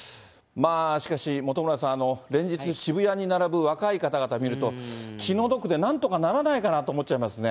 しかし本村さん、連日、渋谷に並ぶ若い方々見ると、気の毒で、なんとかならないかなと思っちゃいますね。